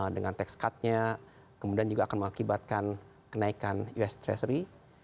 dengan tax cut nya kemudian juga akan mengakibatkan kenaikan us treasury